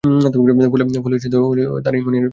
ফলে তারা ঈমান এনেছিল।